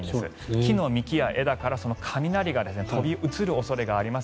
木の幹や枝から雷が飛び移る恐れがあります。